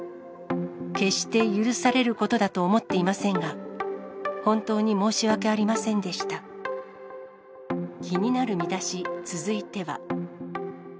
決して許されることだと思っていませんが、本当に申し訳ありませ気になるミダシ、続いては。